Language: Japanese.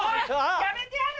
やめてやる！